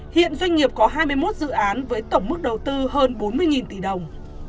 hiện doanh nghiệp có hai mươi một dự án với tổng mức đầu tư hơn bốn mươi tỷ đồng